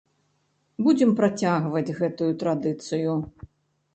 Будзем працягваць гэтую традыцыю.